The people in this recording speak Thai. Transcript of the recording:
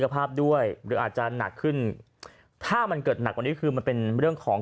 ภาพด้วยหรืออาจจะหนักขึ้นถ้ามันเกิดหนักกว่านี้คือมันเป็นเรื่องของ